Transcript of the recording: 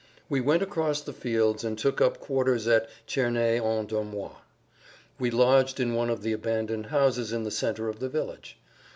We went across the fields and took up quarters at Cerney en Dormois. We lodged in one of the abandoned houses in the center of the village.